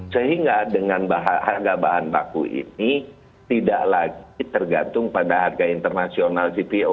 sehingga dengan harga bahan baku ini tidak lagi tergantung pada harga internasional cpo